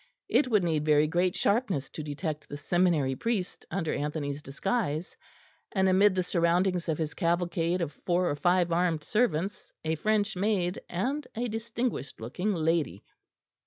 It would need very great sharpness to detect the seminary priest under Anthony's disguise, and amid the surroundings of his cavalcade of four or five armed servants, a French maid, and a distinguished looking lady.